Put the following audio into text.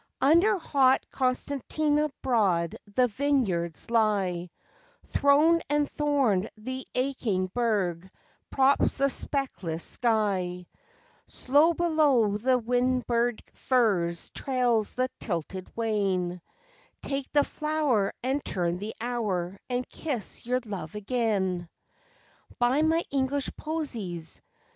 Under hot Constantia broad the vineyards lie Throned and thorned the aching berg props the speckless sky Slow below the Wynberg firs trails the tilted wain Take the flower and turn the hour, and kiss your love again! Buy my English posies!